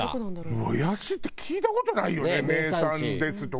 もやしって聞いた事ないよね名産ですとか。